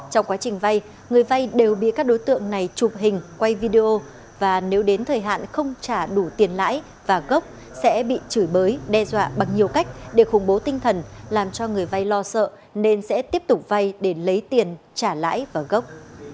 trong quá trình vay người vay đều bị các đối tượng này chụp hình quay video và nếu đến thời hạn không trả đủ tiền lãi và gốc sẽ bị chửi bới đe dọa bằng nhiều cách để khủng bố tinh thần làm cho người vay lo sợ nên sẽ tiếp tục vay để lấy tiền trả lãi và gốc